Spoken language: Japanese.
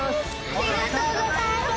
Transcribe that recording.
ありがとうございます。